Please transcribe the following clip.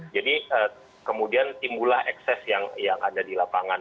jadi kemudian timbulah ekses yang ada di lapangan